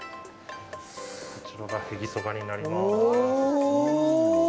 こちらがへぎそばになります。